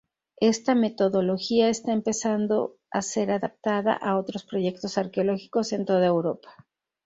Esta metodología está empezando a ser adaptada a otros proyectos arqueológicos en toda Europa.